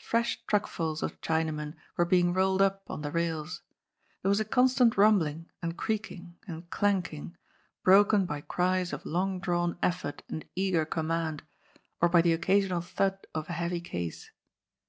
Fresh truckfuls of Chinamen were being rolled up on the rails. There was a constant rumbling, and creaking and clanking, broken by cries of long drawn effort and eager command, or by the occasional thud of a heavy case.